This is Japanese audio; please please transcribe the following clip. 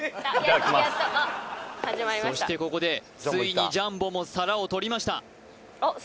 そしてここでついにジャンボも皿を取りました